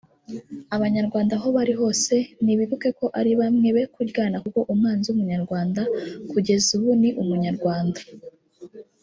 Abanyarwanda aho bari hose nibibuke ko ari bamwe be kuryana kuko umwanzi w’umunyarwanda kugeza ubu ni umunyarwanda